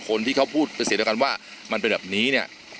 คนที่เขาพูดแต่เห็นเอากันว่ามันเป็นแบบนี้เนี่ย